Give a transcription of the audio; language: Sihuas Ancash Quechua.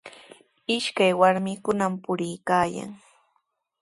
Ishakaq warmikunami puriykaayan.